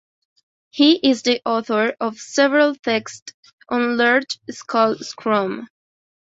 He is the author of several texts on large scale Scrum.